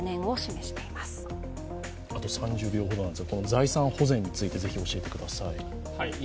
財産保全について、ぜひ教えてください。